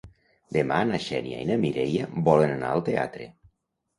Demà na Xènia i na Mireia volen anar al teatre.